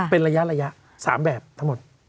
เป็นระยะ๓แบบทั้งหมด